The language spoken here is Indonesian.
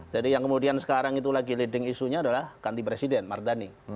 jadi yang kemudian sekarang itu lagi leading isunya adalah ganti presiden mardhani